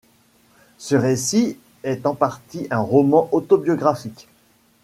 Ce récit est en partie un roman autobiographique.